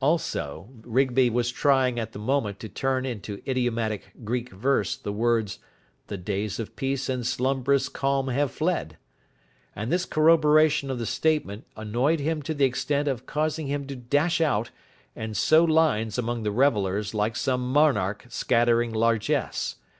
Also Rigby was trying at the moment to turn into idiomatic Greek verse the words: "The Days of Peace and Slumberous calm have fled", and this corroboration of the statement annoyed him to the extent of causing him to dash out and sow lines among the revellers like some monarch scattering largesse.